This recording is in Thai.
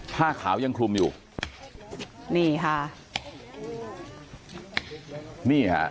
ผ้าขาวยังคลุมอยู่นี่ค่ะนี่ฮะ